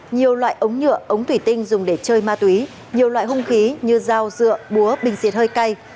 nhiều loại ống nhựa ống thủy tinh dùng để chơi ma túy nhiều loại hung khí như dao dựa búa bình xịt hơi cay